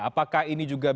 apakah ini juga